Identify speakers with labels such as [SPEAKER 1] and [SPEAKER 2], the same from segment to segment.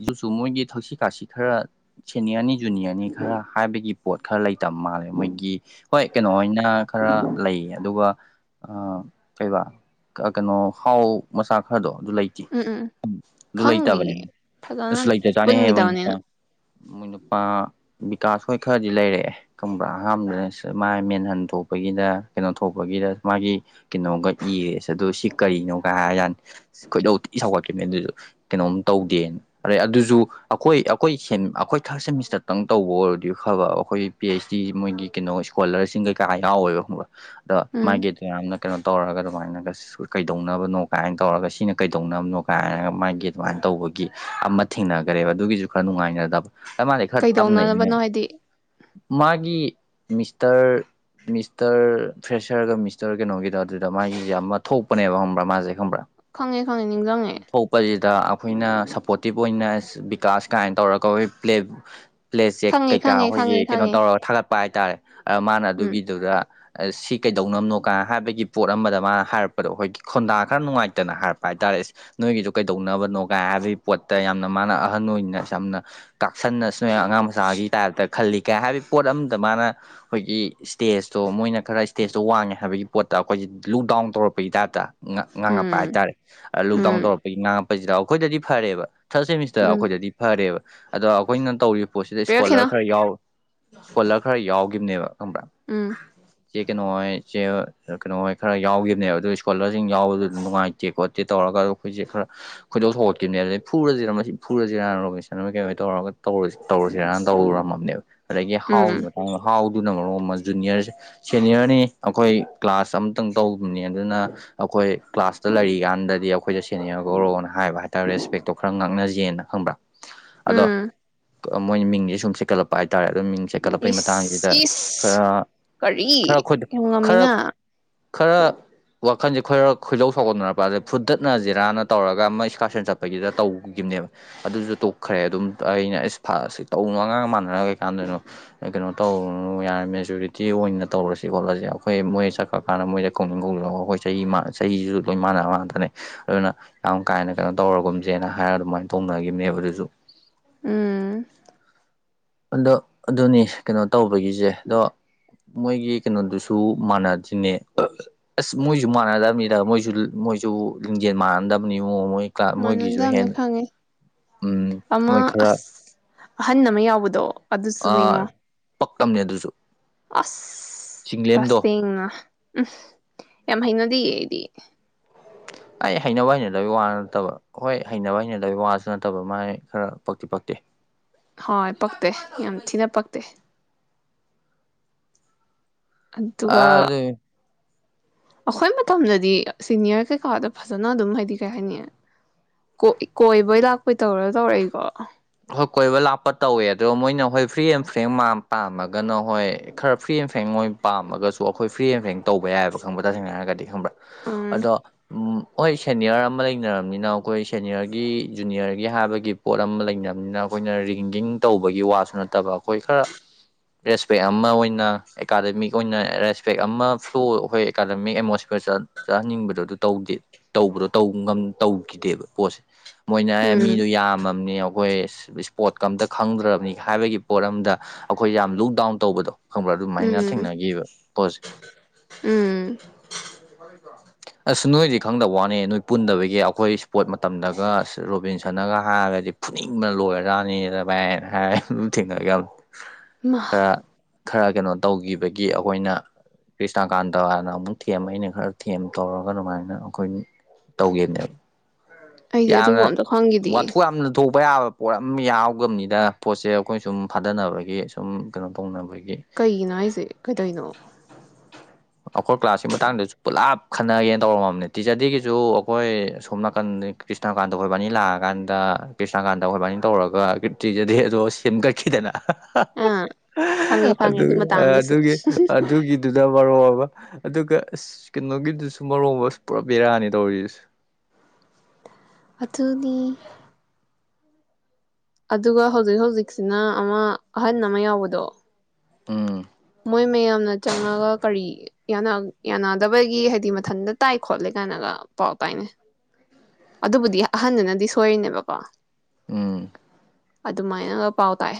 [SPEAKER 1] ꯑꯗꯨꯁꯨ ꯃꯣꯏꯒꯤ ꯊꯛꯁꯤ ꯈꯥꯁꯤ ꯈꯔ ꯁꯦꯅꯤꯌꯔꯅꯤ ꯖꯨꯅꯤꯌꯔꯅꯤ ꯈꯔ ꯍꯥꯏꯕꯒꯤ ꯄꯣꯠ ꯈꯔ ꯂꯩꯇꯕ ꯃꯥꯜꯂꯦ ꯃꯣꯏꯒꯤ ꯍꯣꯏ ꯀꯩꯅꯣ ꯑꯣꯏꯅ ꯈꯔ ꯂꯩꯌꯦ ꯑꯗꯨꯒ ꯀꯩꯕꯥ ꯀꯩꯅꯣ ꯍꯥꯎ ꯃꯆꯥ ꯈꯔꯗꯣ ꯑꯗꯨ ꯂꯩꯇꯦ
[SPEAKER 2] ꯎꯝ ꯎꯝ
[SPEAKER 1] ꯑꯗꯨ ꯂꯩꯇꯕꯅꯦꯅ
[SPEAKER 2] ꯈꯪꯗꯤꯌꯦ ꯐꯖꯅ
[SPEAKER 1] ꯂꯩꯇ ꯆꯅꯦ
[SPEAKER 2] ꯄꯨꯟꯈꯤꯗꯕꯅꯤꯅ
[SPEAKER 1] ꯃꯣꯏ ꯃ ꯕꯤꯀꯥꯁ ꯍꯣꯏ ꯈꯔꯗꯤ ꯂꯩꯔꯛꯑꯦ ꯈꯪꯕ꯭ꯔꯥ ꯑꯍꯥꯟꯕꯗꯅ ꯃꯥ ꯃꯦꯟꯍꯟ ꯊꯣꯛꯄꯒꯤꯗ ꯀꯩꯅꯣ ꯊꯣꯛꯄꯒꯤꯗ ꯃꯥꯒꯤ ꯀꯩꯅꯣꯒ ꯏꯔꯦ ꯑꯗꯨ ꯁꯤ ꯀꯔꯤꯅꯣꯒ ꯍꯥꯏꯔ ꯌꯥꯅꯤ ꯈꯣꯏꯗꯧꯤ ꯁꯧꯒꯠꯈꯤꯕꯅꯦ ꯑꯗꯨꯁꯨ ꯀꯩꯅꯣꯝ ꯇ ꯗꯦ ꯑꯔꯩ ꯑꯗꯨꯁꯨ ꯑꯩꯈꯣꯏ ꯑꯩꯈꯣꯏ ꯑꯩꯈꯣꯏ ꯊꯥꯔꯠ ꯁꯦꯃꯤꯁꯇꯔꯇꯪ ꯇꯧꯕ ꯑꯣꯏꯔꯗꯤ ꯐꯕ ꯑꯩꯈꯣꯏ ꯄꯤ ꯑꯩꯩꯆ ꯗꯤ ꯃꯣꯏꯒꯤ ꯀꯩꯅꯣ ꯏꯁ꯭ꯀꯣꯂꯔꯁꯤꯡ ꯀꯩꯀꯥ ꯌꯥꯎꯋꯦꯕ ꯈꯪꯕ꯭ꯔꯥ ꯑ
[SPEAKER 2] ꯎꯝ
[SPEAKER 1] ꯃꯥꯒꯤ ꯇ ꯌꯥꯝꯅ ꯀꯩꯅꯣ ꯇꯧꯔꯒ ꯑꯗꯨꯃꯥꯏꯅꯒ ꯀꯩꯗꯧꯅꯕꯅꯣ ꯀꯥꯏꯅ ꯇꯧꯔꯒ ꯁꯤꯅ ꯀꯩꯗꯧꯅꯕꯅꯣ ꯀꯥꯏꯅꯒ ꯃꯥꯒꯤ ꯑꯗꯨꯃꯥꯏꯅ ꯇꯧꯕꯒꯤ ꯒꯤ ꯑꯃ ꯊꯦꯡꯅꯈꯔꯦꯕ ꯑꯗꯨꯒꯤꯁꯨ ꯈꯔ ꯅꯨꯡꯉꯥꯏꯅꯗꯕ ꯑꯩ ꯃꯥꯗꯤ ꯈꯔ ꯇꯝꯅꯩꯅꯦ
[SPEAKER 2] ꯀꯩꯗꯧꯅꯕꯅꯣ ꯍꯥꯏꯗꯤ
[SPEAKER 1] ꯃꯥꯒꯤ ꯃꯤꯁꯇꯔ ꯃꯤꯁꯇꯔ ꯐ꯭ꯔꯦꯁꯔꯒ ꯃꯤꯁꯇꯔ ꯀꯩꯅꯣꯒꯤꯗ ꯑꯗꯨꯗ ꯃꯥꯒꯤꯁꯦ ꯌꯥꯝ ꯑꯃ ꯊꯣꯛꯄꯅꯦꯕ ꯈꯪꯕ꯭ꯔꯥ ꯃꯥꯁꯦ ꯈꯪꯕ꯭ꯔꯥ
[SPEAKER 2] ꯈꯪꯉꯦ ꯈꯪꯉꯦ ꯅꯤꯡꯁꯤꯡꯪꯉꯦ
[SPEAKER 1] ꯊꯣꯛꯄꯁꯤꯗ ꯑꯩꯈꯣꯏꯅ ꯁꯞꯄꯣꯔꯇꯤꯞ ꯑꯣꯏꯅ ꯕꯤꯀꯥꯁ ꯀꯥꯏꯅ ꯇꯧꯔꯒꯣꯏ ꯄ꯭ꯂꯦ ꯄ꯭ꯂꯦ ꯆꯦꯛ
[SPEAKER 2] ꯈꯪꯉꯦ
[SPEAKER 1] ꯀꯩꯀꯥ
[SPEAKER 2] ꯈꯪꯉꯦ
[SPEAKER 1] ꯑꯩꯈꯣꯏꯒꯤ
[SPEAKER 2] ꯈꯪꯉꯦ
[SPEAKER 1] ꯀꯩꯅꯣ
[SPEAKER 2] ꯈꯪꯉꯦ
[SPEAKER 1] ꯇꯧꯔꯒ ꯊꯥꯒꯠꯄ ꯍꯥꯏ ꯇꯥꯔ ꯃꯥꯅ
[SPEAKER 2] ꯎꯝ
[SPEAKER 1] ꯑꯗꯨꯒꯤꯗꯨꯗ ꯁꯤ ꯀꯩꯗꯧꯅꯕꯅꯣ ꯀꯥꯏ ꯍꯥꯏꯕꯒꯤ ꯄꯣꯠ ꯑꯃꯗ ꯃꯥꯅ ꯍꯥꯏꯔꯛꯄꯗꯣ ꯑꯩꯈꯣꯏꯒꯤ ꯈꯣꯟꯗꯥ ꯈꯔ ꯅꯨꯡꯉꯥꯏꯇꯅ ꯍꯥꯏꯔꯛꯄ ꯍꯥꯏꯇꯥꯥꯔꯦ ꯅꯣꯏꯒꯤꯁꯨ ꯀꯩꯗꯧꯅꯕꯅꯣ ꯀꯥꯏ ꯍꯥꯏꯕꯗꯤ ꯄꯣꯠꯇ ꯌꯥꯝꯅ ꯃꯥꯅ ꯑꯍꯟ ꯑꯣꯏꯅ ꯌꯥꯝꯅ ꯀꯥꯛꯁꯟꯅ ꯁ ꯑꯉꯥꯡ ꯃꯁꯆꯥꯒꯤ ꯇꯥꯏꯞꯇ ꯈꯜꯂꯤ ꯀꯥꯏ ꯍꯥꯏꯕꯒꯤ ꯄꯣꯠ ꯑꯝꯗ ꯃꯥꯅ ꯑꯩꯈꯣꯏꯒꯤ ꯁ꯭ꯇꯦꯖꯇꯣ ꯃꯣꯏꯅ ꯈꯔ ꯏꯁ꯭ꯇꯦꯖꯇꯣ ꯋꯥꯡꯉꯦ ꯍꯥꯏꯕꯒꯤ ꯄꯣꯠꯇ ꯑꯩꯈꯣꯏꯁꯦ ꯂꯨ ꯗꯥꯎꯟ ꯇꯧꯔꯛꯄꯒꯤ ꯇꯥꯏꯞꯇ ꯉ ꯉꯥꯡꯉꯛꯄ
[SPEAKER 2] ꯎꯝ
[SPEAKER 1] ꯍꯥꯏꯇꯥꯔꯦ ꯂꯣꯛꯗꯥꯎꯟ
[SPEAKER 2] ꯎꯝ
[SPEAKER 1] ꯇꯧꯔꯛꯄꯒꯤ ꯉꯥꯡꯉ ꯑꯣꯏꯁꯤꯔꯥ ꯑꯩꯈꯣꯏꯗꯗꯤ ꯐꯔꯦꯕ ꯊꯥꯔꯠ ꯁꯦꯃꯤꯁꯇꯔ
[SPEAKER 2] ꯎꯝ
[SPEAKER 1] ꯑꯩꯈꯣꯏꯗꯗꯤ ꯐꯔꯦꯕ ꯑꯗꯣ ꯑꯩꯈꯣꯏꯅ ꯇꯧꯔꯤꯕ ꯄꯣꯠꯁꯤꯗ
[SPEAKER 2] ꯄꯤꯔꯛꯈꯤꯅꯣ
[SPEAKER 1] ꯏꯁꯀꯣꯂꯔ ꯈꯔ ꯌꯥꯎ ꯏꯁꯀꯣꯂꯔ ꯈꯔ ꯌꯥꯎꯈꯤꯕꯅꯦꯕ
[SPEAKER 2] ꯎꯝ
[SPEAKER 1] ꯆꯦ ꯀꯩꯅꯣꯏ ꯆ ꯀꯩꯅꯣꯍꯣꯏ ꯈꯔ ꯌꯥꯎꯒꯤꯈꯤꯕꯅꯦꯕ ꯑꯗꯨꯣ ꯏꯁꯀꯣꯂꯔꯁꯤꯡ ꯌꯥꯎꯕꯗꯨ ꯅꯨꯡꯉꯥꯏꯇꯦ ꯈꯣꯠꯇꯦ ꯇꯧꯔꯒ ꯑꯗꯨ ꯑꯩꯈꯣꯏꯁꯦ ꯈꯔ ꯈꯣꯏꯗꯣꯛ ꯊꯣꯛꯦ ꯀꯅꯦ ꯐꯨꯔꯁꯤꯔ ꯃꯁꯤ ꯐꯨꯔꯁꯤꯔꯅ ꯔꯣꯕꯤꯁꯟ ꯀꯩꯣ ꯇꯧꯔꯒ ꯇꯧꯔ ꯇꯧꯔꯁꯤꯔꯅ ꯇꯧꯔꯝꯃꯕꯅꯦꯕ ꯑꯗꯒꯤ
[SPEAKER 2] ꯎꯝ
[SPEAKER 1] ꯍꯥꯎꯒꯤ ꯃꯇꯥꯡꯗ ꯍꯥꯎ ꯑꯗꯨꯅ ꯃꯔꯣꯡ ꯑꯃ ꯖꯨꯅꯤꯌꯔꯁꯦ ꯁꯦꯅꯤꯌꯔꯅꯤ ꯑꯩꯈꯣꯏ ꯀ꯭ꯂꯥꯁ ꯑꯃꯇꯪ ꯇꯧꯗꯕꯅꯤ ꯑꯗꯨꯅ ꯑꯩꯈꯣꯏ ꯀ꯭ꯂꯥꯁꯇ ꯂꯩꯔꯤꯀꯥꯟꯗꯗꯤ ꯑꯩꯈꯣꯏꯗ ꯁꯦꯅꯤꯌꯔꯒ ꯑꯣꯏꯔꯣꯅ ꯍꯥꯏꯕ ꯍꯥꯏꯔꯦ ꯇ ꯔꯦꯁꯄꯦꯛ ꯇꯣ ꯈꯔ ꯉꯥꯡꯅꯖꯦꯅ ꯈꯪꯕ꯭ꯔꯥ ꯑꯗꯣ
[SPEAKER 2] ꯎꯝ
[SPEAKER 1] ꯃꯣꯏꯅ ꯃꯤꯡꯁꯦ ꯁꯨꯝꯦꯀꯠꯂꯛꯄ ꯍꯥꯏꯇꯥꯔꯦ ꯑꯗꯨꯝ ꯃꯤꯡ ꯁꯦꯠꯀꯠꯂꯛꯄꯩ
[SPEAKER 2] ꯏꯁ
[SPEAKER 1] ꯃꯇꯥꯡꯁꯤꯗ
[SPEAKER 2] ꯏꯁ
[SPEAKER 1] ꯈꯔ
[SPEAKER 2] ꯀꯔꯤ
[SPEAKER 1] ꯈꯔ ꯑꯩꯈꯣꯏꯗ
[SPEAKER 2] ꯍ
[SPEAKER 1] ꯈꯔ
[SPEAKER 2] ꯉꯝꯃꯤꯅ
[SPEAKER 1] ꯈꯔ ꯋꯥꯈꯜꯁꯦ ꯈꯔ ꯈꯣꯏꯗꯧ ꯁꯥꯎꯒꯠꯅꯔꯛꯄꯁꯦ ꯐꯨꯗꯠꯅ ꯖꯤꯦꯔꯥꯅ ꯇꯧꯔꯒ ꯑꯃ ꯀꯥꯔꯁꯟ ꯆꯠꯄꯒꯤꯗꯨꯗ ꯇꯧꯈꯤꯕꯅꯦꯕ ꯑꯗꯨꯁꯨ ꯇꯣꯛꯈ꯭ꯔꯦ ꯑꯗꯨꯝ ꯑꯩꯅ ꯑꯁ ꯇꯧꯅꯨ ꯑꯉꯥꯡ ꯃꯥꯟꯅꯔ ꯀꯩꯀꯥꯟꯗꯅꯣ ꯀꯩꯅꯣ ꯇꯧꯅꯨ ꯌꯥꯔꯦ ꯃꯦꯖꯨꯔꯤꯇꯤ ꯑꯣꯏꯅ ꯇꯧꯔꯁꯤ ꯈꯣꯠꯂꯁꯤ ꯑꯩꯈꯣꯏ ꯃꯣꯏ ꯆꯠꯈ꯭ꯔ ꯀꯥꯟꯗ ꯃꯣꯏꯗ ꯀꯧꯅꯤꯡ ꯀꯧꯂꯒ ꯑꯩꯈꯣꯏ ꯆꯍꯤꯁꯨ ꯂꯣꯏ ꯃꯥꯟꯅ ꯃꯥꯟꯗꯅꯦ ꯑꯗꯨꯅ ꯌꯥꯝ ꯀꯥꯅ ꯀꯩꯅꯣ ꯇꯧꯔꯒꯨꯝꯁꯦꯅ ꯍꯥꯏꯔꯒ ꯑꯗꯨꯃꯥꯏꯅ ꯇꯧꯅꯈꯤꯕꯅꯦꯕ ꯑꯗꯨꯁꯨ
[SPEAKER 2] ꯎꯝ
[SPEAKER 1] ꯑꯗꯣ ꯑꯗꯨꯅꯤ ꯀꯩꯅꯣ ꯇꯧꯕꯒꯤꯁꯦ ꯑꯗꯣ ꯃꯣꯏꯒꯤ ꯀꯩꯅꯣꯗꯨꯁꯨ ꯃꯥꯟꯅꯗ꯭ꯔꯤꯅꯦ ꯑꯁ ꯃꯣꯏꯁꯨ ꯃꯥꯟꯅꯗꯕꯅꯤꯗ ꯃꯣꯏꯁꯨ ꯃꯣꯏꯁꯨ ꯂꯤꯡꯖꯦꯜ ꯃꯥꯟꯅꯗꯕꯅꯤ ꯃꯑꯣꯡ ꯃꯣꯏ ꯃꯣꯏꯒꯤꯁꯨ
[SPEAKER 2] ꯃꯥꯟꯅꯗꯕꯅꯦ
[SPEAKER 1] ꯍꯦꯟꯅ
[SPEAKER 2] ꯈꯪꯉꯦ
[SPEAKER 1] ꯎꯝ ꯃꯣꯏ
[SPEAKER 2] ꯑꯃ
[SPEAKER 1] ꯈꯔ
[SPEAKER 2] ꯑꯁ ꯑꯍꯟ ꯑꯃ ꯌꯥꯎꯕꯗꯣ ꯑꯗꯨꯁꯨ ꯅꯤꯡꯅꯤꯉꯣ
[SPEAKER 1] ꯄꯛꯇꯕꯅꯦ ꯑꯗꯨꯁꯨ
[SPEAKER 2] ꯑꯁ
[SPEAKER 1] ꯆꯤꯡꯂꯦꯝꯗꯣ
[SPEAKER 2] ꯇꯁꯦꯡꯅ ꯎꯝ ꯌꯥꯝꯃꯩꯅꯗꯤꯌꯦ ꯑꯩꯗꯤ
[SPEAKER 1] ꯑꯩ ꯍꯩꯅꯕ ꯍꯩꯅꯗꯕꯒꯤ ꯋꯥ ꯅꯠꯇꯕ ꯍꯣꯏ ꯍꯩꯅꯕ ꯍꯩꯅꯗꯕꯒꯤ ꯋꯥꯁꯨ ꯅꯠꯇꯕ ꯃꯥꯥꯏ ꯈꯔ ꯄꯛꯇꯤ ꯄꯛꯇꯦ
[SPEAKER 2] ꯍꯣꯏ ꯄꯛꯇꯦ ꯌꯥꯝ ꯊꯤꯅ ꯄꯛꯇꯦ ꯑꯗꯨꯒꯗꯨ
[SPEAKER 1] ꯑꯗꯨ
[SPEAKER 2] ꯑꯩꯈꯣꯏ ꯃꯇꯝꯗꯗꯤ ꯁꯤꯅꯤꯌꯔ ꯀꯩꯀꯥꯗ ꯐꯖꯅ ꯑꯗꯨꯝ ꯍꯥꯏꯗꯤ ꯀꯩ ꯍꯥꯏꯅꯤ ꯀꯣꯏꯕꯩ ꯂꯥꯛꯄꯩ ꯇꯧꯔ ꯇꯧꯔꯛꯏꯀꯣ
[SPEAKER 1] ꯍꯣꯏ ꯀꯣꯏꯕ ꯂꯥꯛꯄ ꯇꯧꯋꯦ ꯑꯗꯣ ꯃꯣꯏꯅ ꯍꯣꯏ ꯐ꯭ꯔꯤ ꯑꯦꯟ ꯐ꯭ꯔꯦꯡ ꯄꯥꯝꯃꯒꯅ ꯍꯣꯏ ꯈꯔ ꯐ꯭ꯔꯤ ꯑꯦꯟ ꯐ꯭ꯔꯦꯡ ꯃꯣꯏ ꯄꯥꯝꯃꯒꯁꯨ ꯑꯩꯈꯣꯏ ꯐ꯭ꯔꯤ ꯑꯦꯟ ꯐ꯭ꯔꯦꯡ ꯇꯧꯕ ꯌꯥꯏꯑꯕ ꯈꯪꯕ ꯇꯁꯦꯡꯅ ꯍꯥꯏꯔꯒꯗꯤ ꯈꯪꯕ꯭ꯔꯥ
[SPEAKER 2] ꯎꯝ
[SPEAKER 1] ꯑꯗꯣ ꯎꯝ ꯍꯣꯏ ꯁꯦꯅꯤꯌꯔ ꯑꯃ ꯂꯩꯅꯔꯕꯅꯤꯅ ꯑꯩꯈꯣꯏ ꯁꯦꯅꯤꯌꯔꯒꯤ ꯖꯨꯅꯤꯌꯔꯒꯤ ꯍꯥꯏꯕꯒꯤ ꯄꯣꯠ ꯑꯃ ꯂꯩꯅꯔ ꯅꯤꯅ ꯑꯩꯈꯣꯏꯅ ꯔꯤꯡꯖꯡ ꯇꯧꯕꯒꯤ ꯋꯥꯁꯨ ꯅꯠꯇꯕ ꯑꯩꯈꯣꯏ ꯈꯔ ꯔꯦꯁꯄꯦꯛ ꯑꯃ ꯑꯣꯏꯅ ꯑꯦꯀꯥꯗꯃꯤꯛ ꯑꯣꯏꯅ ꯔꯦꯁꯄꯦꯛ ꯑꯃ ꯐ꯭ꯂꯣ ꯑꯩꯈꯣꯏ ꯑꯦꯀꯥꯗꯃꯤꯛ ꯑꯦꯠꯃꯣꯁꯐꯤꯌꯔ ꯆꯠꯍꯟꯅꯤꯡꯕꯗꯣ ꯑꯗꯨ ꯇꯧꯗꯦ ꯇꯧꯕꯗꯣ ꯇꯧꯈꯤꯗꯦꯕ ꯄꯣꯠꯁꯦ ꯃꯣꯏꯅ ꯑꯦ
[SPEAKER 2] ꯎꯝ
[SPEAKER 1] ꯃꯤꯗꯣ ꯌꯥꯝꯃꯕꯅꯦ ꯀꯣꯏ ꯏꯁꯄꯣꯠ ꯀ ꯑꯝꯇ ꯈꯪꯗ꯭ꯔꯕꯅꯤ ꯍꯥꯏꯕꯒꯤ ꯄꯣꯠ ꯑꯝꯗ ꯑꯩꯈꯣꯏꯁꯦ ꯌꯥꯝ ꯂꯨꯛ ꯗꯥꯎꯟ ꯇꯧꯕꯗꯣ ꯈꯪꯕ꯭ꯔꯥ ꯑꯗꯨꯃꯥꯏꯅ
[SPEAKER 2] ꯎꯝ
[SPEAKER 1] ꯊꯦꯡꯅꯕ ꯄꯣꯠꯁꯦ
[SPEAKER 2] ꯎꯝ
[SPEAKER 1] ꯑꯁꯨꯝ ꯅꯣꯏꯗꯤ ꯈꯪꯗꯕ ꯋꯥꯅꯦ ꯅꯣꯏ ꯄꯨꯟꯗꯕꯒꯤ ꯑꯩꯈꯣꯏ ꯏꯁ꯭ꯄꯣꯔꯠ ꯃꯇꯝꯗꯒ ꯔꯣꯕꯤꯟꯁꯟꯅꯒ ꯍꯥꯏꯔꯒꯗꯤ ꯄꯨꯅꯤꯡ ꯂꯣꯏꯔꯔꯥꯅꯤ ꯑꯗꯨꯚꯥꯏꯅ ꯍꯥꯏ ꯑꯗꯨ ꯊꯦꯡꯅꯒ ꯈꯔ
[SPEAKER 2] [inaudible]
[SPEAKER 1] ꯈꯔ ꯀꯩꯅꯣ ꯇꯧꯈꯤꯕꯒꯤ ꯑꯩꯈꯣꯏꯅ ꯀ꯭ꯔꯤꯁꯅꯀꯥꯟꯇꯅ ꯑꯃꯨꯛ ꯊꯦꯝ ꯑꯩꯅ ꯈꯔ ꯊꯦꯝ ꯇꯧꯔꯒ ꯑꯗꯨꯃꯥꯏꯅ ꯑꯩꯈꯣꯏ ꯇꯧꯒꯦꯅꯦꯕ
[SPEAKER 2] ꯑꯩꯗꯤ ꯑꯗꯨꯒ
[SPEAKER 1] ꯌꯥꯝꯅ
[SPEAKER 2] ꯑꯝꯇ ꯈꯪꯒꯤꯗꯤꯌꯦ
[SPEAKER 1] ꯋꯥꯊꯣꯛ ꯌꯥꯝꯅ ꯊꯣꯛꯄ ꯕ ꯌꯥꯕ ꯄꯣꯠ ꯑꯃ ꯌꯥꯎꯕꯅꯤꯅ ꯄꯣꯠꯁꯦ ꯑꯩꯈꯣꯏꯅ ꯁꯨꯝ ꯐꯥꯗꯅꯕꯒꯤ ꯁꯨꯝ ꯀꯩꯅꯣ ꯇꯧꯅꯕꯒꯤ
[SPEAKER 2] ꯀꯩꯒꯤꯅꯣ ꯍꯥꯏꯁꯦ ꯀꯩꯗꯩꯅꯣ
[SPEAKER 1] ꯑꯩꯈꯣꯏ ꯀ꯭ꯂꯥꯁꯀꯤ ꯃꯇꯥꯡꯗꯁꯨ ꯄꯨꯂꯞ ꯈꯟꯅꯒꯦꯅ ꯇꯧꯔꯝꯃꯕꯅꯦ ꯇꯤꯆꯔ ꯗꯦꯗꯒꯤꯁꯨ ꯑꯩꯈꯣꯏ ꯁꯣꯝ ꯅꯥꯀꯟꯗ ꯀ꯭ꯔꯤꯁꯅꯅꯥꯀꯥꯟꯇ ꯑꯩꯈꯣꯏꯕꯥꯅꯤ ꯂꯥꯛꯑꯀꯥꯟꯗ ꯀ꯭ꯔꯤꯁꯅꯀꯥꯟꯗ ꯑꯩꯈꯣꯏꯕꯥꯅꯤ ꯇꯧꯔꯒ ꯇꯤꯆꯔꯗꯦ ꯑꯗꯣ ꯁꯦꯝꯒꯠꯈꯤꯗꯅ
[SPEAKER 2] ꯑꯥ ꯈꯪꯉꯦ ꯈꯪꯉꯦ ꯑꯗꯨ ꯃꯇꯥꯡꯗꯨꯁꯨ
[SPEAKER 1] ꯑꯗꯨꯒꯤ ꯑꯗꯨꯒꯤꯗꯨꯗ ꯑꯗꯨꯒ ꯑꯁ ꯀꯩꯅꯣꯒꯤꯗꯨꯁꯨ ꯃꯔꯣꯕ ꯄꯨꯔꯥ ꯕꯤꯦꯔꯥꯅꯤ ꯇꯧꯔꯤꯁ
[SPEAKER 2] ꯑꯊꯨꯅꯤ ꯑꯗꯨꯒ ꯍꯧꯖꯤꯛ ꯍꯧꯖꯤꯛꯁꯤꯅ ꯑꯃ ꯑꯍꯟ ꯑꯃ ꯌꯥꯎꯕꯗꯣ
[SPEAKER 1] ꯎꯝ
[SPEAKER 2] ꯃꯣꯏ ꯃꯌꯥꯝꯅ ꯆꯪꯉꯒ ꯀꯔꯤ ꯌꯥꯅꯗꯕꯒꯤ ꯍꯥꯏꯗꯤ ꯃꯊꯟꯇ ꯇꯥꯏ ꯈꯣꯠꯂꯦ ꯀꯥꯏꯅꯒ ꯄꯥꯎ ꯇꯥꯏꯅꯦ ꯑꯗꯨꯕꯨꯗꯤ ꯑꯍꯟꯗꯅꯗꯤ ꯁꯣꯏꯔꯤꯅꯦꯕꯀꯣ
[SPEAKER 1] ꯎꯝ
[SPEAKER 2] ꯑꯗꯨꯃꯥꯏꯅꯒ ꯄꯥꯎ ꯇꯥꯛ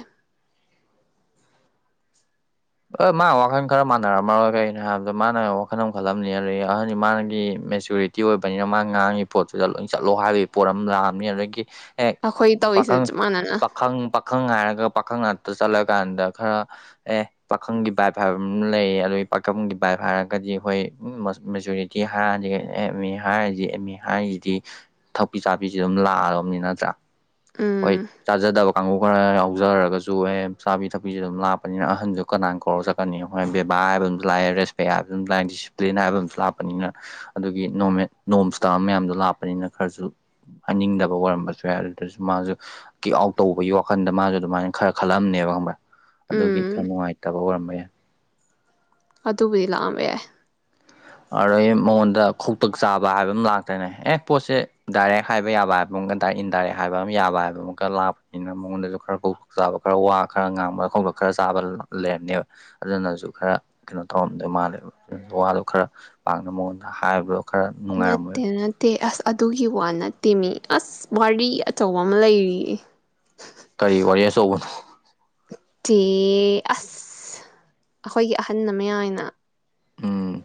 [SPEAKER 1] ꯍ ꯃꯥ ꯋꯥꯈꯜ ꯈꯔ ꯃꯥꯟꯅꯔꯝꯃꯔꯣꯏ ꯀꯒꯤꯩꯅꯣ ꯍꯥꯏꯕꯗ ꯃꯥꯅ ꯋꯥꯈꯜ ꯑꯃꯈꯜꯂꯝꯅꯤ ꯑꯗꯒꯤ ꯑꯍꯟꯗꯤ ꯃꯥꯅꯒꯤ ꯃꯦꯆꯨꯔꯤꯇꯤ ꯑꯣꯏꯕꯅꯤꯅ ꯃꯥꯅ ꯉꯥꯡꯉꯤ ꯄꯣꯠꯇꯁꯤꯨꯗ ꯂꯣꯏ ꯆꯠꯂꯣ ꯍꯥꯏꯕꯒꯤ ꯄꯣꯠ ꯑꯃ ꯂꯥꯛꯑꯝꯅꯤ ꯑꯗꯒꯤ ꯑꯦ
[SPEAKER 2] ꯑꯩꯈꯣꯏ ꯇꯧꯔꯤꯁꯦ
[SPEAKER 1] ꯄꯥꯈꯪ
[SPEAKER 2] ꯆꯞ ꯃꯥꯟꯅꯅ
[SPEAKER 1] ꯄꯥꯈꯪ ꯄꯥꯈꯪ ꯍꯥꯏꯥꯏꯔꯒ ꯄꯥꯈꯪ ꯉꯥꯛꯇ ꯆꯠꯂꯀꯥꯟꯗ ꯈꯔ ꯑꯦ ꯄꯥꯈꯪꯒꯤ ꯕꯥꯏꯞ ꯍꯥꯏꯕ ꯑꯃ ꯂꯩ ꯑꯗꯨꯒꯤ ꯄꯥꯈꯪꯒꯤ ꯕꯥꯏꯞ ꯍꯥꯏꯔꯒꯗꯤ ꯑꯩꯈꯣꯏ ꯃꯦꯖꯣꯔꯤꯇꯤ ꯍꯥꯏꯔꯗꯤ ꯑꯦꯝ ꯑꯦ ꯍꯥꯏꯔꯤꯗꯤ ꯑꯦꯝ ꯑꯦ ꯍꯥꯏꯔꯤꯁꯤꯗꯤ ꯊꯛꯄꯤ ꯆꯥꯕꯤꯁꯤ ꯑꯗꯨꯝ ꯂꯥꯛꯑꯗꯕꯅꯤ ꯅꯠꯇ꯭ꯔꯥ ꯍꯣꯏ
[SPEAKER 2] ꯎꯝ
[SPEAKER 1] ꯆꯥꯖꯗꯕ ꯀꯥꯡꯕꯨ ꯈꯔ ꯌꯥꯎꯖꯔꯒꯁꯨ ꯆꯨꯑꯦꯝ ꯆꯥꯕꯤ ꯊꯛꯄꯤꯁꯦ ꯑꯗꯨꯝ ꯂꯥꯛꯄꯅꯤꯅ ꯑꯍꯟꯁꯨ ꯀꯅꯥꯏꯅ ꯀꯧꯔꯒ ꯆꯠꯀꯅꯤ ꯍꯣꯏ ꯕꯦꯕꯥꯔ ꯍꯥꯏꯕ ꯑꯝꯁꯨ ꯂꯥꯛꯑꯦ ꯔꯦꯁꯄꯦꯛ ꯍꯥꯏꯕ ꯑꯃꯝ ꯂꯥꯛꯑꯦ ꯗꯤꯁꯤꯄ꯭ꯂꯤꯟ ꯍꯥꯏꯕ ꯑꯝꯨ ꯂꯥꯛꯄꯅꯤꯅ ꯑꯗꯨꯒꯤ ꯅꯃꯦ ꯅꯣꯝꯁꯇ ꯃꯌꯥꯝꯗꯣ ꯂꯥꯛꯄꯅꯤꯅ ꯈꯔꯁꯨ ꯍꯥꯏꯅꯤꯡꯗꯕ ꯑꯣꯏꯔꯝꯕꯁꯨ ꯌꯥꯏ ꯑꯗꯨꯗꯁꯨ ꯃꯥꯁꯨ ꯀꯤꯛ ꯑꯥꯎꯠ ꯇꯧꯕꯒꯤ ꯋꯥꯈꯟꯗ ꯃꯥꯁꯨ ꯑꯗꯨꯃꯥꯏꯅ ꯈꯔ ꯈꯜꯂꯝꯅꯦꯕ ꯈꯪꯕ ꯑꯗꯨꯒꯤ ꯈꯔ
[SPEAKER 2] ꯎꯝ
[SPEAKER 1] ꯅꯨꯡꯉꯥꯏꯇꯦ ꯐꯠꯇꯕ ꯑꯣꯏꯔꯝꯕ ꯌꯥꯏ
[SPEAKER 2] ꯑꯗꯨꯕꯨꯗꯤ ꯂꯥꯛꯑꯝꯕ ꯌꯥꯏ
[SPEAKER 1] ꯑꯗꯨꯗꯒꯤ ꯃꯉꯣꯟꯗ ꯀꯣꯛꯇꯥꯛ ꯆꯥꯕ ꯍꯥꯏꯕ ꯑꯃ ꯂꯥꯛꯇ꯭ꯔꯅꯦ ꯑꯦ ꯄꯣꯠꯁꯦ ꯗꯥꯏꯔꯦꯛ ꯍꯥꯏꯕ ꯌꯥꯕ ꯍꯥꯏꯕ ꯑꯃꯀ ꯗꯥꯏꯔꯦꯛ ꯏꯟꯗꯥꯏꯔꯦꯛ ꯍꯥꯏꯕ ꯑꯃ ꯌꯥꯕ ꯍꯥꯏꯕ ꯑꯃꯛꯀ ꯂꯥꯛꯄꯅꯤꯅ ꯃꯉꯣꯟꯗꯁꯨ ꯈꯔ ꯀꯣꯛꯇꯥꯛ ꯆꯥꯕ ꯈꯔ ꯋꯥ ꯈꯔ ꯉꯥꯡꯕ ꯈꯧꯇꯛ ꯈꯔ ꯆꯥꯕ ꯂꯩꯔꯝꯅꯦꯕ ꯑꯗꯨꯅꯁꯨ ꯈꯔ ꯀꯩꯅꯣ ꯇꯧꯔꯝꯗꯣꯏ ꯃꯥꯜꯂꯦꯕ ꯋꯥꯗꯣ ꯈꯔ ꯄꯥꯛꯅ ꯃꯉꯣꯟꯗ ꯍꯥꯏꯕ
[SPEAKER 2] ꯅꯠꯇꯦ ꯅꯠꯇꯦ ꯑ ꯑꯗꯨꯒꯤ ꯋꯥ ꯅꯠꯇꯤꯃꯤ ꯑꯁ ꯋꯥꯔꯤ ꯑꯆꯧꯕ ꯑꯃ ꯂꯩꯔꯤꯌꯦ
[SPEAKER 1] ꯀꯔꯤ ꯑꯣꯏꯌꯦ ꯁꯣꯅ
[SPEAKER 2] ꯆꯦ ꯑꯁ ꯑꯩꯈꯣꯏꯒꯤ ꯑꯍꯟ ꯃꯌꯥꯅ
[SPEAKER 1] ꯎꯝ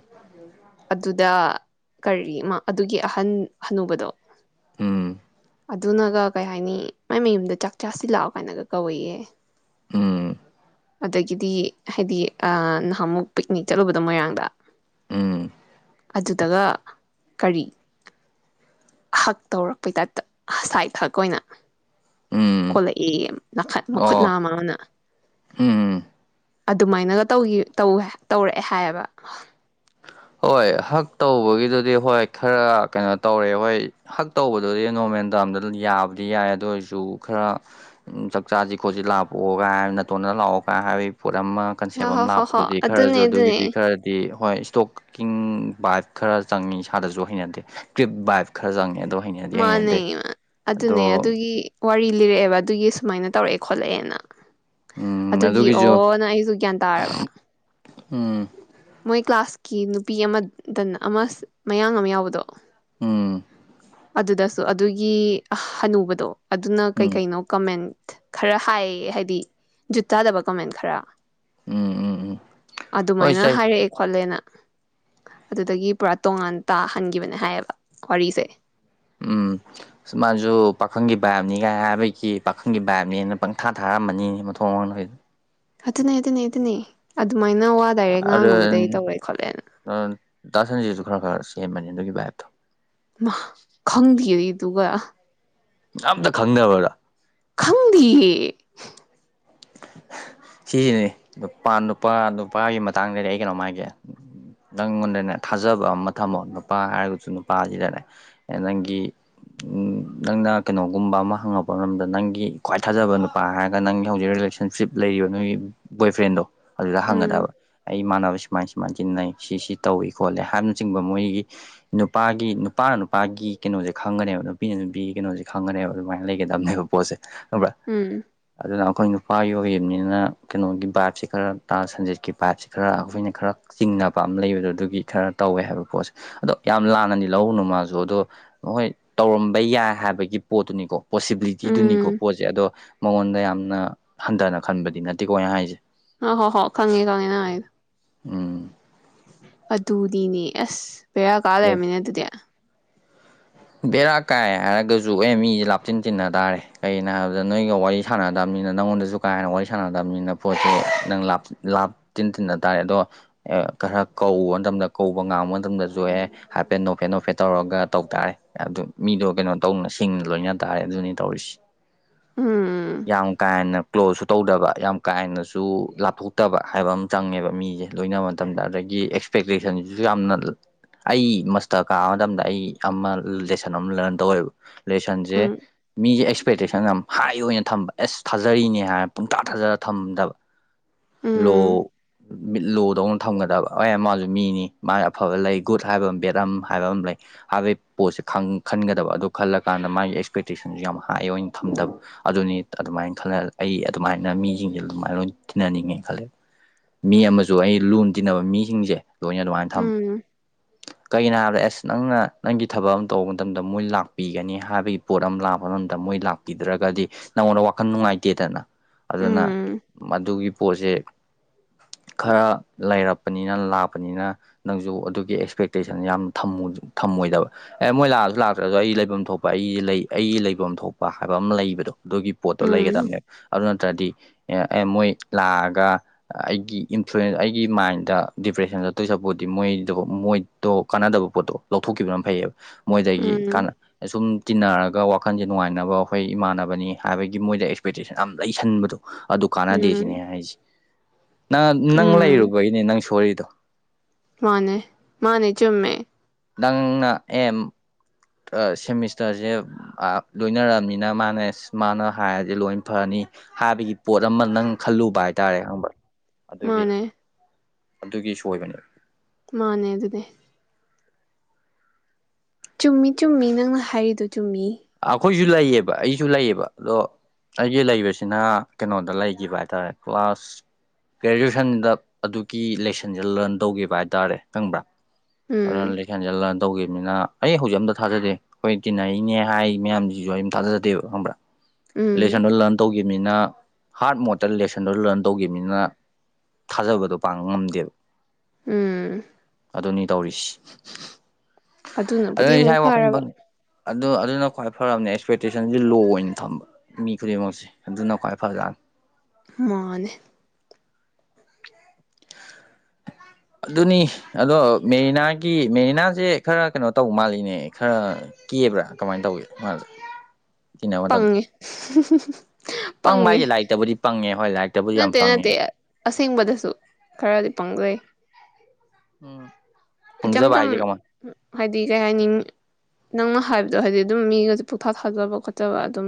[SPEAKER 2] ꯑꯗꯨꯗ ꯀꯔꯤ ꯑꯗꯨꯒꯤ ꯑꯍꯟ ꯑꯅꯨꯕꯗꯣ
[SPEAKER 1] ꯎꯝ
[SPEAKER 2] ꯑꯗꯨꯅꯒ ꯀꯩ ꯍꯥꯏꯅꯤ ꯃꯥꯏ ꯃꯌꯨꯝꯗ ꯆꯥꯛ ꯆꯥꯁꯤꯜꯂꯛꯑꯣ ꯀꯥꯏꯅꯒ ꯀꯧꯏꯌꯦ
[SPEAKER 1] ꯎꯝ
[SPEAKER 2] ꯑꯗ ꯀꯗꯤ ꯍꯥꯏꯗꯤ ꯅꯍꯥꯟꯃꯨꯛ ꯄꯤꯛꯅꯤꯛ ꯆꯠꯂꯨꯕꯗꯣ ꯃꯣꯏꯔꯥꯡꯗ
[SPEAKER 1] ꯎꯝ
[SPEAKER 2] ꯑꯗꯨꯗꯒ ꯀꯔꯤ ꯍꯛ ꯇꯧꯔꯛꯄꯩ ꯇꯞꯇ ꯁꯥꯏꯠ ꯍꯛ ꯑꯣꯏꯅ
[SPEAKER 1] ꯎꯝ
[SPEAKER 2] ꯀꯣꯂꯛꯏ ꯅꯥꯠ ꯃꯈꯨꯠ ꯑꯃꯅ
[SPEAKER 1] ꯎꯝꯝ
[SPEAKER 2] ꯑꯗꯨꯃꯥꯏꯅꯒ ꯇꯧꯔꯛꯑꯦ ꯍꯥꯏꯌꯦꯕ
[SPEAKER 1] ꯍꯣꯏ ꯍꯛ ꯇꯧꯕꯒꯤꯗꯨꯗꯤ ꯍꯣꯏ ꯈꯔ ꯀꯩꯅꯣ ꯇꯧꯔꯦ ꯍꯣꯏ ꯍꯛ ꯇꯧꯕꯗꯨꯗꯤ ꯅꯣꯔꯃꯦꯜ ꯗꯥꯔꯝꯗ ꯌꯥꯕꯗꯤ ꯌꯥꯏ ꯑꯗꯨ ꯑꯣꯏꯔꯁꯨ ꯈꯔ ꯆꯥꯛ ꯆꯥꯁꯤ ꯈꯣꯠꯁꯤ ꯂꯥꯛꯞꯄꯣꯛꯑꯣ ꯀꯥꯏ ꯇꯣꯟꯗ ꯂꯥꯛꯑꯣ ꯀꯥꯏ ꯍꯥꯏꯕ ꯄꯣꯠ ꯑꯃ ꯀꯟꯁꯦꯞ
[SPEAKER 2] ꯍꯣ
[SPEAKER 1] ꯑꯃ
[SPEAKER 2] ꯍꯣ ꯍꯣ ꯍꯣ
[SPEAKER 1] ꯂꯥꯛꯄꯗꯨꯗꯤ ꯈꯔꯁꯨ
[SPEAKER 2] ꯑꯗꯨꯅꯦ
[SPEAKER 1] ꯑꯗꯨꯒꯤꯗꯤ
[SPEAKER 2] ꯑꯗꯨꯅꯦ
[SPEAKER 1] ꯈꯔꯗꯤ ꯍꯣꯏ ꯏꯁ꯭ꯇꯣꯛ ꯀꯤꯡ ꯕꯥꯏꯞ ꯈꯔ ꯆꯪꯏ ꯏꯁꯥꯗꯁꯨ ꯍꯩꯅꯗꯦ ꯇ꯭ꯔꯤꯞ ꯕꯥꯏꯞ ꯈꯔ ꯆꯪꯏꯤ ꯑꯗꯣ ꯍꯩꯅꯗꯤ ꯍꯩꯅꯗꯦ
[SPEAKER 2] ꯃꯥꯅꯦ
[SPEAKER 1] ꯑꯗꯣ
[SPEAKER 2] ꯑꯗꯨꯅꯦ ꯑꯗꯨꯒꯤ ꯋꯥꯔꯤ ꯂꯤꯔꯛꯑꯦꯕ ꯑꯗꯨꯒꯤ ꯁꯨꯃꯥꯏꯅ ꯇꯧꯔꯛꯑꯦ ꯈꯣꯠꯂꯛꯑꯦꯅ
[SPEAKER 1] ꯎꯝ
[SPEAKER 2] ꯑꯗꯨꯒꯤ
[SPEAKER 1] ꯑꯗꯨꯒꯤꯁꯨ
[SPEAKER 2] ꯑꯣ ꯅꯪ ꯑꯩꯁꯨ ꯒ꯭ꯌꯥꯟ ꯇꯥꯔꯕ
[SPEAKER 1] ꯎꯝ
[SPEAKER 2] ꯃꯣꯏ ꯀ꯭ꯂꯥꯁꯀꯤ ꯅꯨꯄꯤ ꯑꯃꯗꯟ ꯑꯃ ꯃꯌꯥꯡ ꯑꯃ ꯌꯥꯎꯕꯗꯣ
[SPEAKER 1] ꯎꯝ
[SPEAKER 2] ꯑꯗꯨꯗꯁꯨ ꯑꯗꯨꯒꯤ ꯑꯅꯨꯕꯗꯣ ꯑꯗꯨꯅ
[SPEAKER 1] ꯎꯝ
[SPEAKER 2] ꯀꯩꯀꯩꯅꯣ ꯀꯃꯦꯟ ꯈꯔ ꯍꯥꯏꯌꯦ ꯍꯥꯏꯗꯤ ꯖꯨꯠ ꯇꯥꯗꯕ ꯀꯃꯦꯟ ꯈꯔ
[SPEAKER 1] ꯎꯝ ꯎꯝ ꯎꯝ ꯍꯣꯏ
[SPEAKER 2] ꯑꯗꯨꯃꯥꯏꯅ
[SPEAKER 1] ꯆꯍꯤ
[SPEAKER 2] ꯍꯥꯏꯔꯛꯑꯦ ꯈꯣꯠꯂꯦꯅ ꯑꯗꯨꯗꯒꯤ ꯄꯨꯔꯥ ꯇꯣꯉꯥꯟ ꯇꯥꯍꯟꯈꯤꯕꯅꯦ ꯍꯥꯏꯌꯦꯕ ꯋꯥꯔꯤꯁꯦ
[SPEAKER 1] ꯎꯝ ꯁꯨꯃꯅꯁꯨ ꯄꯥꯈꯪꯒꯤ ꯕꯥꯏꯞꯅꯤꯒꯥꯏ ꯍꯥꯏꯕꯒꯤ ꯄꯥꯈꯪꯒꯤ ꯕꯥꯏꯞꯅꯦꯅ ꯄꯪꯊꯥ ꯊꯥꯔꯛꯝꯃꯅꯤꯅꯤ ꯃꯊꯣꯡ ꯃꯉꯥꯡꯗꯣꯏꯗ
[SPEAKER 2] ꯑꯗꯨ ꯑꯗꯨꯅꯦ ꯑꯗꯨꯅꯦ ꯑꯗꯨꯗꯅꯦ ꯑꯗꯨ ꯁꯨꯃꯥꯏꯅ ꯋꯥ ꯗꯥꯏꯔꯦꯛ
[SPEAKER 1] ꯑꯗꯣ
[SPEAKER 2] ꯉꯥꯡꯨꯕꯗꯒꯤ ꯇꯧꯔꯦ ꯈꯣꯠꯂꯦꯅ
[SPEAKER 1] ꯍꯦ ꯃꯅꯤ ꯑꯗꯨꯒꯤꯚꯥꯏꯠꯇꯣ
[SPEAKER 2] ꯈꯪꯗ ꯑꯗꯨꯒ
[SPEAKER 1] ꯑꯇ ꯈꯪꯗꯕꯗꯥ
[SPEAKER 2] ꯈꯪꯗꯤꯦ
[SPEAKER 1] ꯁꯤꯁꯤꯅꯤ ꯅꯨꯄꯥ ꯅꯨꯄꯥ ꯅꯨꯄꯥꯒꯤ ꯃꯇꯥꯡꯗꯅꯦ ꯑꯩ ꯀꯩꯅꯣꯝꯃꯒꯦ ꯅꯪꯉꯣꯟꯗꯅꯦ ꯊꯥꯖꯕ ꯑꯃ ꯊꯝꯃꯣ ꯅꯨꯄꯥ ꯍꯥꯏꯔꯒꯁꯨ ꯅꯨꯄꯥꯁꯤꯗꯅꯦ ꯅꯪꯒꯤ ꯅꯪꯅ ꯀꯩꯅꯣꯒꯨꯝꯕ ꯑꯃ ꯍꯪꯉꯛꯄ ꯃꯇꯝꯗ ꯅꯪꯒꯤ ꯈ꯭ꯋꯥꯏ ꯊꯥꯖꯕ ꯅꯨꯄꯥ ꯍꯥꯏꯔꯒ ꯅꯪꯒꯤ ꯍꯧꯖꯛ ꯔꯤꯂꯦꯁꯟꯁꯤꯞ ꯂꯩꯔꯤꯕ ꯅꯣꯏ ꯕꯣꯏ ꯐ꯭ꯔꯦꯟꯗꯣ ꯑꯗꯨꯗ
[SPEAKER 2] ꯎꯝ
[SPEAKER 1] ꯍꯪꯒꯗꯕ ꯑꯩ ꯏꯃꯥꯟꯅꯕ ꯁꯨꯃꯥꯏ ꯁꯨꯃꯥꯏꯅ ꯇꯤꯟꯅꯩ ꯁꯤ ꯇꯧꯏ ꯈꯣꯠꯂꯦ ꯍꯥꯏꯕꯅꯆꯤꯡꯕ ꯃꯣꯏꯒꯤ ꯅꯨꯄꯥꯒꯤ ꯅꯨꯄꯥꯅ ꯅꯨꯄꯥꯒꯤ ꯀꯩꯅꯣꯁꯦ ꯈꯪꯒꯅꯦꯕ ꯅꯨꯄꯤꯅ ꯅꯨꯄꯤꯒꯤ ꯀꯩꯅꯣꯁꯦ ꯈꯪꯒꯅꯦꯕ ꯑꯗꯨꯃꯥꯏꯅ ꯂꯩꯒꯗꯕꯅꯦꯕ ꯄꯣꯠꯁꯦ ꯅꯕ꯭ꯔ
[SPEAKER 2] ꯎꯝ
[SPEAKER 1] ꯑꯗꯨꯅ ꯑꯩꯈꯣꯏ ꯅꯨꯄꯥꯒꯤ ꯑꯣꯏꯅꯤꯅ ꯀꯩꯅꯣꯒꯤ ꯕꯥꯏꯞꯁꯤ ꯈꯔ ꯇ ꯁꯟꯖꯤꯦꯠꯀꯤ ꯕꯥꯏꯞꯁꯤ ꯈꯔ ꯑꯩꯈꯣꯏꯅ ꯈꯔ ꯆꯤꯡꯅꯕ ꯑꯃ ꯂꯩꯕꯗꯣ ꯑꯗꯨꯒꯤ ꯈꯔ ꯇꯧꯋꯦ ꯍꯥꯏꯕ ꯄꯣꯠꯁꯦ ꯑꯗꯣ ꯌꯥꯝ ꯂꯥꯟꯅꯅꯤ ꯂꯧꯕꯅꯨ ꯃꯥꯁꯨ ꯑꯗꯣ ꯃꯣꯏ ꯇꯧꯔꯝꯕ ꯌꯥꯏ ꯍꯥꯏꯕꯒꯤ ꯄꯣꯠꯇꯨꯅꯤꯀꯣ ꯄꯣꯁꯤꯕꯤꯂꯤꯇꯤꯗꯨꯅꯤꯀꯣ
[SPEAKER 2] ꯎꯝ
[SPEAKER 1] ꯄꯣꯠꯁꯦ ꯑꯗꯣ ꯃꯉꯣꯟꯗ ꯌꯥꯝꯅ ꯍꯟꯊꯅ ꯈꯟꯕꯗꯤ ꯅꯠꯇꯦꯀꯣꯅꯦ ꯍꯥꯏꯁꯦ
[SPEAKER 2] ꯑ ꯍꯣ ꯍꯣ ꯈꯪꯉꯦ ꯈꯪꯉꯦꯅꯗ
[SPEAKER 1] ꯎꯝ
[SPEAKER 2] ꯑꯗꯨꯗꯤꯅꯦ ꯑꯁ ꯄꯦꯔ ꯀꯥ
[SPEAKER 1] ꯑꯗꯨ
[SPEAKER 2] ꯂꯩꯔꯃꯤꯅꯦ ꯑꯗꯨꯗꯤ
[SPEAKER 1] ꯕꯦꯔꯥ ꯀꯥꯏ ꯍꯥꯏꯔꯒꯁꯨ ꯑꯦ ꯃꯤꯁꯦ ꯂꯥꯞꯆꯤꯟ ꯇꯤꯟꯅ ꯇꯥꯔꯦ ꯀꯩꯒꯤꯅꯣ ꯍꯥꯏꯕꯗ ꯅꯣꯏꯒ ꯋꯥꯔꯤ ꯁꯥꯟꯅꯗꯕꯅꯤꯅ ꯅꯪꯉꯣꯟꯗꯁꯨ ꯀꯥ ꯍꯦꯟꯅ ꯋꯥꯔꯤ ꯁꯥꯟꯅꯗꯕꯅꯤꯅ ꯄꯣꯠꯁꯤ ꯅꯪ ꯂꯥꯞꯆꯤꯟ ꯇꯤꯟꯅ ꯇꯥꯔꯦ ꯑꯗꯣ ꯈꯔ ꯀꯧꯕ ꯃꯇꯝꯗ ꯀꯧꯕ ꯉꯥꯡꯕ ꯃꯇꯝꯗꯁꯨ ꯑꯦ ꯍꯥꯏꯐꯦꯠ ꯅꯣꯞꯐꯦꯠ ꯅꯣꯞꯐꯦꯠ ꯇꯧꯔꯒ ꯇꯧ ꯇꯥꯔꯦ ꯑꯗꯨ ꯃꯤꯗꯣ ꯀꯩꯅꯣ ꯇꯧꯅ ꯁꯤꯡꯅ ꯂꯣꯏꯅ ꯇꯥꯔꯦ ꯑꯗꯨꯅꯤ ꯇꯧꯔꯤꯁꯦ
[SPEAKER 2] ꯎꯝ
[SPEAKER 1] ꯌꯥꯝ ꯀꯥꯥꯏ ꯍꯦꯟꯅ ꯀ꯭ꯂꯣꯖꯁꯨ ꯇꯧꯗꯕ ꯌꯥꯝ ꯀꯥ ꯍꯦꯟꯅꯁꯨ ꯂꯥꯞꯊꯣꯛꯇꯕ ꯍꯥꯏꯕ ꯑꯃ ꯆꯪꯉꯦꯕ ꯃꯤꯁꯦ ꯂꯣꯏꯅꯕ ꯃꯇꯝꯗ ꯑꯗꯒꯤ ꯑꯦꯛꯁꯄꯦꯛꯇꯦꯁꯟꯁꯤꯁꯨ ꯌꯥꯝꯅ ꯑꯩ ꯃꯁꯇ ꯀꯥꯕ ꯃꯇꯝꯗ ꯑꯩ ꯑꯃ ꯂꯦꯁꯟ ꯑꯃ ꯂꯔꯟ ꯇꯧꯋꯦꯕ ꯂꯦꯁꯟꯁꯦ
[SPEAKER 2] ꯎꯝ
[SPEAKER 1] ꯃꯤꯁꯦ ꯑꯦꯛꯁꯄꯦꯛꯇꯦꯁꯟ ꯌꯥꯝ ꯍꯥꯏ ꯑꯣꯏꯅ ꯊꯝꯕ ꯑꯦꯁ ꯊꯥꯖꯔꯤꯅꯤ ꯍꯥꯏ ꯄꯨꯡꯇꯥ ꯊꯥꯖꯔꯒ ꯊꯝꯗꯕ ꯂꯣ
[SPEAKER 2] ꯎꯝ
[SPEAKER 1] ꯃꯤꯠ ꯂꯣꯗꯧꯅ ꯊꯝꯒꯗꯕ ꯑꯦ ꯃꯥꯁꯨ ꯃꯤꯅꯤ ꯃꯥ ꯑꯐꯕ ꯂꯩ ꯒꯨꯗ ꯍꯥꯏꯕ ꯑꯃ ꯕꯦꯠ ꯑ ꯍꯥꯏꯕ ꯑꯃ ꯂꯩ ꯍꯥꯏꯕꯗꯤ ꯄꯣꯠꯁꯦ ꯈꯟꯒꯗꯕ ꯑꯗꯨ ꯈꯜꯂꯀꯥꯟꯗ ꯃꯥꯒꯤ ꯑꯦꯛꯁꯄꯦꯛꯇꯦꯁꯟꯁꯨ ꯌꯥꯝ ꯍꯥꯏ ꯑꯣꯏꯅ ꯊꯝꯗꯕ ꯑꯗꯨꯅꯤ ꯑꯗꯨꯃꯥꯏꯅ ꯈꯜꯂ ꯑꯩ ꯑꯗꯨꯃꯥꯏꯅ ꯃꯤꯁꯤꯡꯁꯦ ꯑꯗꯨꯃꯥꯏꯅ ꯂꯣꯏ ꯇꯤꯟꯅꯅꯤꯡꯉꯦ ꯈꯜꯂꯦ ꯃꯤ ꯑꯃꯁꯨ ꯑꯩ ꯂꯣꯟ ꯇꯤꯟꯅꯕ ꯃꯤꯁꯤꯡꯁꯦ ꯂꯣꯏꯅ ꯑꯗꯨꯃꯥꯏꯅ ꯊꯝ
[SPEAKER 2] ꯎꯝ
[SPEAKER 1] ꯀꯩꯒꯤꯅꯣ ꯍꯥꯏꯕꯗ ꯑꯦꯁ ꯅꯪꯅ ꯅꯪꯒꯤ ꯊꯕꯛ ꯑꯃ ꯇꯧꯕ ꯃꯇꯝꯗ ꯃꯣꯏ ꯂꯥꯛꯄꯤꯒꯅꯤ ꯍꯥꯏꯕꯒꯤ ꯄꯣꯠ ꯑꯃ ꯂꯥꯛꯄ ꯃꯇꯝꯗ ꯃꯣꯏ ꯂꯥꯛꯄꯤꯗ꯭ꯔꯒꯗꯤ ꯅꯪꯉꯣꯟꯗ ꯋꯥꯈꯜ ꯅꯨꯡꯉꯥꯏꯇꯦꯗꯅ ꯑꯗꯨꯅ
[SPEAKER 2] ꯎꯝ
[SPEAKER 1] ꯑꯗꯨꯒꯤ ꯄꯣꯠꯁꯦ ꯈꯔ ꯂꯩꯔꯛꯄꯅꯤꯅ ꯂꯥꯛꯄꯅꯤꯅ ꯅꯪꯁꯨ ꯑꯗꯨꯒꯤ ꯑꯦꯛꯁꯄꯦꯛꯇꯦꯁꯟ ꯌꯥꯝꯅ ꯊꯝꯃꯣꯏꯗꯕ ꯑꯦ ꯃꯣꯏ ꯂꯥꯛꯑꯁꯨ ꯂꯥꯛꯇ꯭ꯔꯁꯨ ꯑꯩ ꯂꯩꯐꯝ ꯊꯣꯛꯄ ꯑꯩꯁ ꯂꯩ ꯑꯩꯒꯤ ꯂꯩꯐꯝ ꯊꯣꯛꯄ ꯍꯥꯏꯕ ꯑꯃ ꯂꯩꯕꯗꯣ ꯑꯗꯨꯒꯤ ꯄꯣꯠꯇꯣ
[SPEAKER 2] ꯎꯝ
[SPEAKER 1] ꯂꯩꯒꯗꯕꯅꯦꯕ ꯑꯗꯨ ꯅꯠꯇ꯭ꯔꯗꯤ ꯃꯣꯏ ꯂꯥꯛꯑꯒ ꯑꯩꯒꯤ ꯏꯟꯐ꯭ꯂꯨꯌꯦꯟꯁ ꯑꯩꯒꯤ ꯃꯥꯏꯟꯗ ꯗꯤꯄ꯭ꯔꯦꯁꯟ ꯆꯠꯇꯣꯏ ꯆꯠꯄꯗꯤ ꯃꯣꯏꯗꯣ ꯃꯣꯏꯗꯣ ꯀꯥꯟꯅꯗꯕ ꯄꯣꯠꯇꯣ ꯂꯧꯊꯣꯛꯈꯤꯕꯅ ꯐꯩꯌꯦꯞ ꯃꯣꯏꯗꯒꯤ
[SPEAKER 2] ꯎꯝ
[SPEAKER 1] ꯀꯅ ꯁꯨꯝ ꯇꯤꯟꯅꯔꯒ ꯒ ꯋꯥꯈꯟꯁꯦ ꯅꯨꯡꯉꯥꯏꯅꯕ ꯑꯩꯈꯣꯏ ꯏꯃꯥꯟꯅꯕꯅꯤ ꯍꯥꯏꯕꯒꯤ ꯃꯣꯏꯗ ꯑꯦꯛꯁꯄꯦꯛꯇꯦꯁꯟ ꯌꯥꯝ ꯂꯩꯁꯟꯕꯗꯣ ꯑꯗꯨ
[SPEAKER 2] ꯎꯝ
[SPEAKER 1] ꯀꯥꯟꯅꯗꯦꯁꯤꯅꯦ ꯑꯩꯟ ꯍꯥꯏꯁꯤ ꯅ ꯅꯪ
[SPEAKER 2] ꯎꯝ
[SPEAKER 1] ꯂꯩꯔꯨꯕꯩꯅꯦ ꯅꯪ ꯁꯣꯔꯤꯗꯨ ꯇꯣ
[SPEAKER 2] ꯃꯥꯅꯦ ꯃꯥꯅꯦ ꯆꯨꯝꯃꯦ
[SPEAKER 1] ꯅꯪꯅ ꯑꯦꯝ ꯁꯦꯃꯤꯁꯇꯔꯁꯦ ꯂꯣꯏꯅꯔꯛꯑꯅꯤꯅ ꯃꯥꯅꯦ ꯃꯥꯅ ꯍꯥꯏꯔꯁꯦ ꯂꯣꯏ ꯐꯅꯤ ꯍꯥꯏꯕꯒꯤ ꯄꯣꯠ ꯑꯃ ꯅꯪ ꯈꯜꯂꯨꯕ ꯍꯥꯏꯇꯥꯔꯦ ꯈꯪꯕ ꯑꯗꯨꯒꯤ
[SPEAKER 2] ꯃꯥꯅꯦ
[SPEAKER 1] ꯑꯗꯨꯒꯤꯁꯨ ꯑꯣꯏꯕꯅꯤ
[SPEAKER 2] ꯃꯥꯅꯦ ꯑꯗꯨꯅꯤ ꯆꯨꯝꯃꯤ ꯆꯨꯝꯃꯤ ꯅꯪꯅ ꯍꯥꯏꯔꯤꯗꯨ ꯆꯨꯝꯃꯤ
[SPEAKER 1] ꯑꯩꯈꯣꯏꯁꯨ ꯂꯩꯌꯦꯕ ꯑꯩꯁꯨ ꯂꯩꯌꯦꯕ ꯑꯗꯣ ꯑꯩꯒꯤ ꯂꯩꯕꯁꯤꯅ ꯀꯩꯅꯣꯗ ꯂꯩꯈꯤꯕ ꯍꯥꯏꯇꯥꯔꯦ ꯀ꯭ꯂꯥꯁ ꯒ꯭ꯔꯦꯖꯨꯑꯦꯁꯟꯗ ꯑꯗꯨꯒꯤ ꯂꯦꯁꯟꯁꯦ ꯂꯔꯟ ꯇꯧꯈꯤꯕ ꯍꯥꯏꯇꯥꯔꯦ ꯈꯪꯕ꯭ꯔꯥ
[SPEAKER 2] ꯎꯝ
[SPEAKER 1] ꯑꯗꯨꯅ [unintelligible] ꯍꯦꯟꯖꯤꯂꯥꯟ ꯇꯧꯈꯤꯕꯅꯤꯅ ꯑꯩ ꯍꯧꯖꯤꯛ ꯑꯝꯇ ꯊꯥꯖꯗꯦ ꯑꯩꯈꯣꯏ ꯇꯤꯟꯅꯔꯤꯅꯦ ꯍꯥꯏ ꯃꯌꯥꯝꯁꯤꯁꯨ ꯑꯩꯝ ꯊꯥꯖꯗꯦꯕ ꯈꯪꯕ꯭ꯔꯥ
[SPEAKER 2] ꯎꯝ
[SPEAKER 1] ꯂꯦꯁꯅꯗꯨ ꯂꯟ ꯇꯧꯈꯤꯕ ꯃꯤꯅ ꯍꯥꯔꯠ ꯃꯣꯠꯇ ꯂꯦꯁꯟꯗꯣ ꯂꯔꯟ ꯇꯧꯈꯤꯕꯅꯤꯅ ꯊꯥꯖꯕꯗꯣ ꯄꯥꯡꯅ ꯉꯝꯗꯦꯕ
[SPEAKER 2] ꯎꯝ
[SPEAKER 1] ꯑꯗꯨꯅꯤ ꯇꯧꯔꯤꯁꯤ
[SPEAKER 2] ꯑꯗꯨꯅꯕꯨꯗꯤ
[SPEAKER 1] ꯑꯗꯨꯅ
[SPEAKER 2] ꯑꯃꯨꯛ
[SPEAKER 1] ꯏꯁꯥꯒꯤ ꯋꯥꯈꯜ
[SPEAKER 2] ꯐꯔꯕ
[SPEAKER 1] [unintelligible] ꯑꯗꯨ ꯑꯗꯨꯅ ꯈ꯭ꯋꯥꯏ ꯐꯔꯕꯅꯦ ꯑꯦꯛꯁꯄꯦꯛꯇꯦꯁꯟꯁꯤ ꯂꯣ ꯑꯣꯏꯅ ꯊꯝꯕ ꯃꯤ ꯈꯨꯗꯤꯡꯃꯛꯁꯦ ꯑꯗꯨꯅ ꯈ꯭ꯋꯥꯏ ꯐꯖꯅꯤ
[SPEAKER 2] ꯃꯥꯅꯦ
[SPEAKER 1] ꯑꯗꯨꯅꯤ ꯑꯗꯣ ꯃꯦꯔꯤꯅꯥꯒꯤ ꯃꯦꯔꯤꯅꯥꯁꯦ ꯈꯔ ꯀꯩꯅꯣ ꯇꯧꯕ ꯃꯥꯜꯂꯤꯅꯦ ꯈꯔ ꯀꯦꯕ꯭ꯔꯥ ꯀꯃꯥꯏꯅ ꯇꯧꯏ ꯃꯥꯁꯦ ꯇꯤꯟꯅꯕ ꯃꯇꯝꯗ
[SPEAKER 2] ꯄꯪꯉꯦ
[SPEAKER 1] ꯄꯪꯕ
[SPEAKER 2] ꯄꯪꯉꯦ
[SPEAKER 1] ꯍꯥꯏꯁꯦ ꯂꯥꯏꯔꯤꯛꯇꯕꯨꯗꯤ ꯄꯪꯉꯦ ꯍꯣꯏ ꯂꯥꯏꯔꯤꯛꯇꯕꯨꯗꯤ ꯌꯥꯝ
[SPEAKER 2] ꯅꯠꯇꯦ ꯅꯠꯇꯦ
[SPEAKER 1] ꯄꯪꯉꯦ
[SPEAKER 2] ꯑꯁꯦꯡꯕꯗꯁꯨ ꯈꯔꯗꯤ ꯄꯪꯖꯩ
[SPEAKER 1] ꯎꯝ
[SPEAKER 2] ꯏꯆꯝ
[SPEAKER 1] ꯄꯪꯖꯕ
[SPEAKER 2] ꯆꯝ
[SPEAKER 1] ꯍꯥꯏꯁꯦ ꯀꯃꯥꯏ
[SPEAKER 2] ꯍꯥꯏ ꯗꯤ ꯀꯩ ꯍꯥꯏꯅꯤ ꯅꯪꯅ ꯍꯥꯏꯕꯗꯣ ꯍꯥꯏꯗꯤ ꯑꯗꯨꯝ ꯃꯤꯒꯁꯨ ꯄꯣꯛꯊꯥ ꯊꯥꯖꯕ ꯈꯣꯠꯆꯕ ꯑꯗꯨꯝ